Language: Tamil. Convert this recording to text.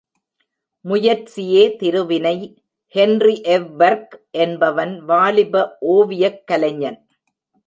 முயற்சியே திருவினை ஹென்றி எவ்பர்க் என்பவன் வாலிப ஓவியக் கலைஞன்.